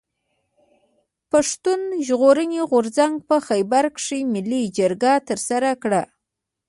پښتون ژغورني غورځنګ په خېبر کښي ملي جرګه ترسره کړه.